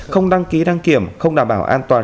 không đăng ký đăng kiểm không đảm bảo an toàn